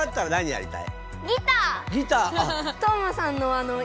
やりたい！